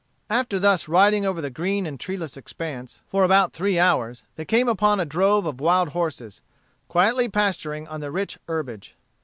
After thus riding over the green and treeless expanse for about three hours, they came upon a drove of wild horses, quietly pasturing on the rich herbage.